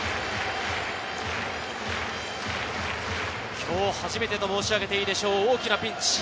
今日初めてと申し上げていいでしょう、大きなピンチ。